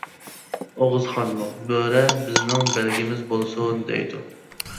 ئوغۇزخانمۇ : «بۆرە بىزنىڭ بەلگىمىز بولسۇن» دەيدۇ.